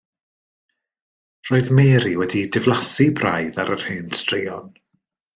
Roedd Mary wedi diflasu braidd ar yr hen straeon.